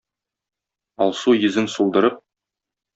Алсу йөзен сулдырып,